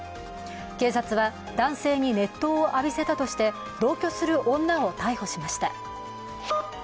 警察は、男性に熱湯を浴びせたとして同居する女を逮捕しました。